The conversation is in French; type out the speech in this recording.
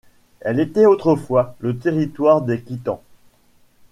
Elle était autrefois le territoire des Khitans.